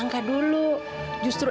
nggak tuh bu